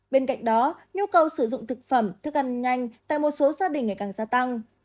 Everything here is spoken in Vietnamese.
bên cạnh đó nhu cầu sử dụng thực phẩm thức ăn nhanh tại một số gia đình ngày càng gia tăng